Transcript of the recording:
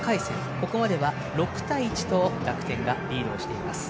ここまでは６対１と楽天がリードしています。